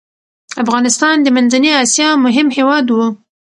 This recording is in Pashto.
افغانستان د منځنی اسیا مهم هیواد و.